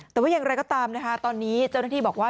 แต่ว่าอย่างไรก็ตามนะคะตอนนี้เจ้าหน้าที่บอกว่า